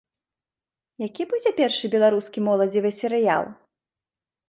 Які будзе першы беларускі моладзевы серыял?